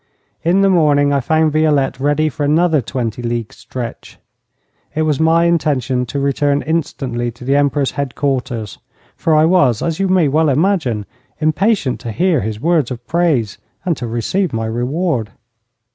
In the morning I found Violette ready for another twenty league stretch. It was my intention to return instantly to the Emperor's headquarters, for I was, as you may well imagine, impatient to hear his words of praise, and to receive my reward.